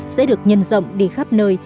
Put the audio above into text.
sẽ được nhân rộng đi khắp nơi